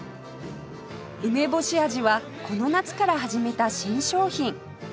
梅干し味はこの夏から始めた新商品